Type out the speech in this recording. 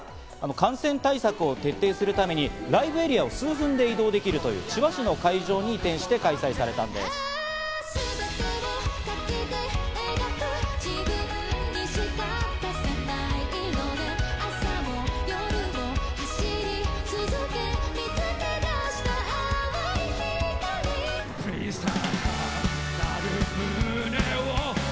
感染対策を徹底するためにライブエリアを数分で移動できるという、千葉市の会場に移転して開催されました。